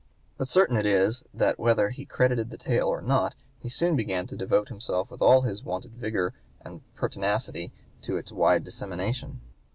But certain it is that whether he credited the tale or not he soon began to devote himself with all his wonted vigor and pertinacity to its wide dissemination.